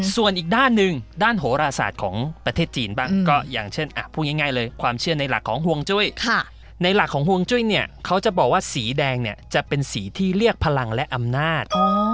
ส่วนอีกด้านหนึ่งด้านโหราศาสตร์ของประเทศจีนบ้างก็อย่างเช่นพูดง่ายเลยความเชื่อในหลักของห่วงจุ้ยในหลักของห่วงจุ้ยเนี่ยเขาจะบอกว่าสีแดงเนี่ยจะเป็นสีที่เรียกพลังและอำนาจ